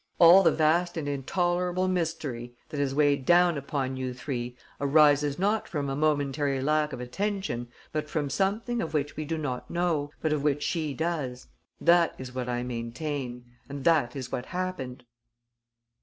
All the vast and intolerable mystery that has weighed down upon you three arises not from a momentary lack of attention but from something of which we do not know, but of which she does. That is what I maintain; and that is what happened."